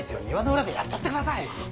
庭の裏でやっちゃってください。